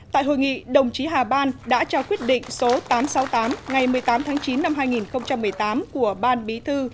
tại hội nghị đồng chí hà ban đã trao quyết định số tám trăm sáu mươi tám ngày một mươi tám tháng chín năm hai nghìn một mươi tám của ban bí thư